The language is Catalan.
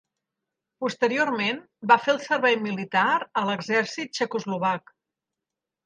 Posteriorment va fer el servei militar a l'exèrcit txecoslovac.